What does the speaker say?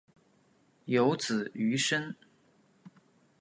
有子俞深。